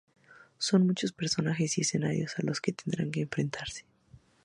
Son muchos los personajes y escenarios a los que tendrán que enfrentarse.